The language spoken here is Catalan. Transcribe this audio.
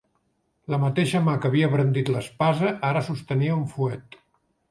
La mateixa mà que havia brandit l'espasa ara sostenia un fuet.